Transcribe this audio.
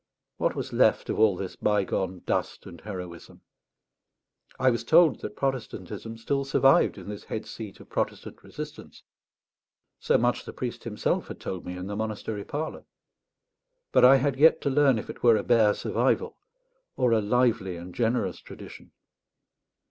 What was left of all this bygone dust and heroism? I was told that Protestantism still survived in this head seat of Protestant resistance; so much the priest himself had told me in the monastery parlour. But I had yet to learn if it were a bare survival, or a lively and generous tradition.